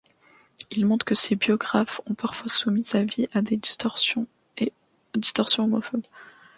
Il montre que ses biographes ont parfois soumis sa vie à des distorsions homophobes.